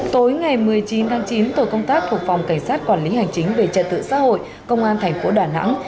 tối ngày một mươi chín tháng chín tổ công tác thuộc phòng cảnh sát quản lý hành chính về trật tự xã hội công an thành phố đà nẵng